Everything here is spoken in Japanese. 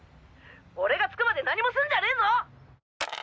俺が着くまで何もすんじゃねぞ！！